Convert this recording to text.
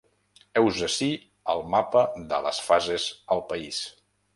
Heus ací el mapa de les fases al país.